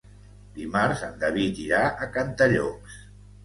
Dimarts en David irà a Cantallops.